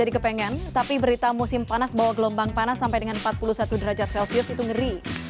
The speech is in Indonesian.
di kota jepang panas sampai dengan empat puluh satu derajat celcius itu ngeri